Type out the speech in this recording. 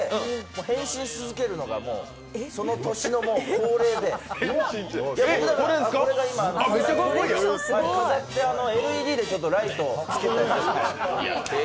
変身し続けるのが、その年の恒例で飾ってＬＥＤでライトをつけてます。